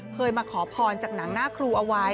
เคยมาขอพรจากหนังหน้าครูเอาไว้